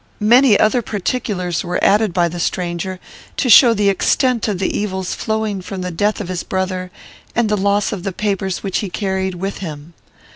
Many other particulars were added by the stranger, to show the extent of the evils flowing from the death of his brother, and the loss of the papers which he carried with him.